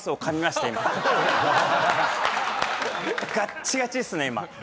ガッチガチっすね今。